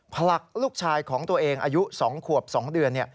ผลักลูกชายของตัวเองอายุ๒ขวบ๒เดือน